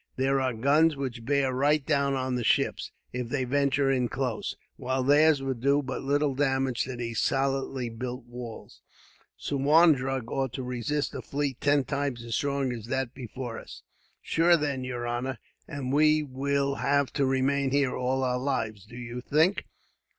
There are guns which bear right down on the ships, if they venture in close, while theirs will do but little damage to these solidly built walls. Suwarndrug ought to resist a fleet ten times as strong as that before us." "Shure then, yer honor, and will we have to remain here all our lives, do ye think?"